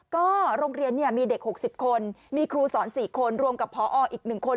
ก็โรงเรียนมีเด็ก๖๐คนมีครูสอน๔คนรวมกับพออีก๑คน